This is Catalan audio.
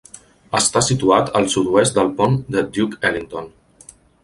Està situat al sud-oest del pont de Duke Ellington.